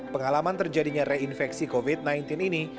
pengalaman terjadinya reinfeksi covid sembilan belas ini